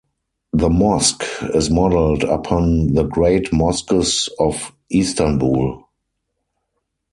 The Mosque is modelled upon the great mosques of Istanbul.